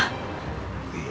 kenapa semua jadi gini ya pak